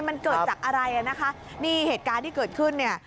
มันเกิดจากอะไรอ่ะนะคะนี่เหตุการณ์ที่เกิดขึ้นเนี่ย